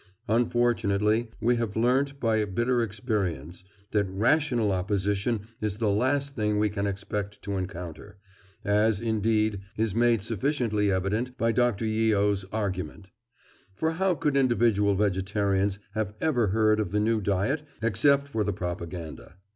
" Unfortunately, we have learnt by bitter experience that rational opposition is the last thing we can expect to encounter—as, indeed, is made sufficiently evident by Dr. Yeo's argument. For how could individual vegetarians have ever heard of the new diet except for the propaganda?